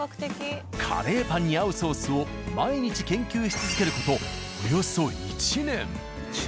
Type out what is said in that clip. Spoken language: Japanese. カレーパンに合うソースを毎日研究し続ける事およそ１年。